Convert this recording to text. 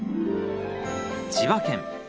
千葉県。